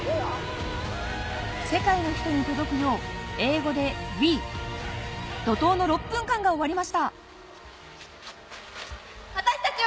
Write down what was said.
世界の人に届くよう英語で「Ｗｅ」怒濤の６分間が終わりました